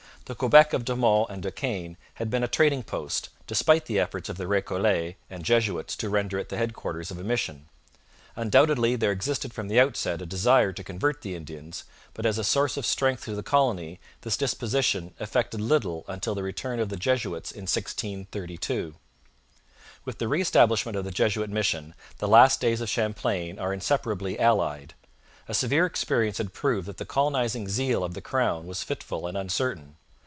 The Quebec of De Monts and De Caen had been a trading post, despite the efforts of the Recollets and Jesuits to render it the headquarters of a mission. Undoubtedly there existed from the outset a desire to convert the Indians, but as a source of strength to the colony this disposition effected little until the return of the Jesuits in 1632. With the re establishment of the Jesuit mission the last days of Champlain are inseparably allied. A severe experience had proved that the colonizing zeal of the crown was fitful and uncertain.